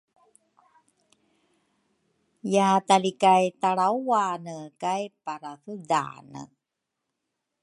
Yatali kay talrawane kay Parathudane